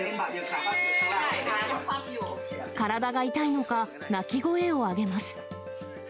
体が痛いのか、泣き声を上げます。